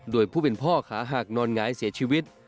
โดยผู้เป็นพ่อขาหักนอนหงายเสียชีวิต